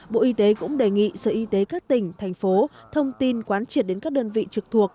bộ y tế cũng đề nghị sở y tế các tỉnh thành phố thông tin quán triệt đến các đơn vị trực thuộc